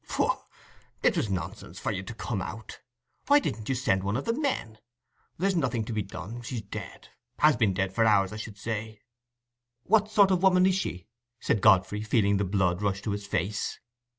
"Pooh, it was nonsense for you to come out: why didn't you send one of the men? There's nothing to be done. She's dead—has been dead for hours, I should say." "What sort of woman is she?" said Godfrey, feeling the blood rush to his face.